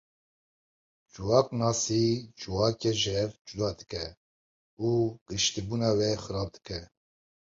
Civaknasî civakê ji hev cuda dike û giştîbûna wê xirab dike.